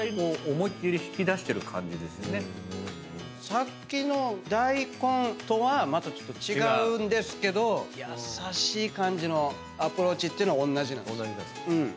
さっきの大根とはまたちょっと違うんですけど優しい感じのアプローチっていうのはおんなじなんですよ。